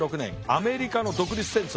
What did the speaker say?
アメリカの独立戦争